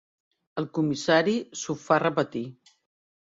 El comissari s'ho fa repetir.